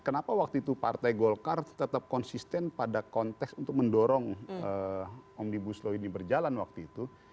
kenapa waktu itu partai golkar tetap konsisten pada konteks untuk mendorong omnibus law ini berjalan waktu itu